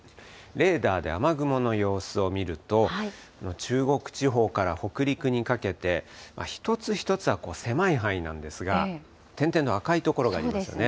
レーダーで雨雲の様子を見ると、中国地方から北陸にかけて、一つ一つは狭い範囲なんですが、点々と赤い所がありますよね。